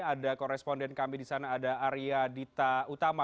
ada koresponden kami di sana ada arya dita utama